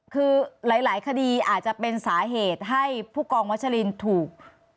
คือหลายคดีอาจจะเป็นสาเหตุให้ผู้กองวัชลินถูก